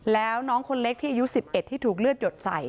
แล้วน้องคนเล็กที่อายุ๑๑ที่ถูกเลือดหยดใส่